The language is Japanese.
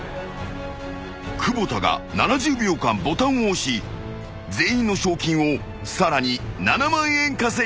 ［久保田が７０秒間ボタンを押し全員の賞金をさらに７万円稼いだ］